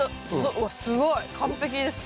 うわすごい完璧です。